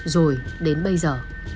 rồi đến bây giờ